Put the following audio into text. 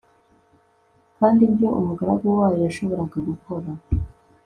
kandi ibyo umugaragu wayo yashoboraga gukora